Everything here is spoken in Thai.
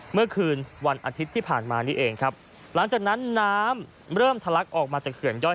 เมื่อคืนวันอาทิตย์ที่ผ่านมานี่เองครับหลังจากนั้นน้ำเริ่มทะลักออกมาจากเขื่อนย่อย